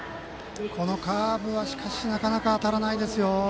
このカーブはなかなか当たらないですよ。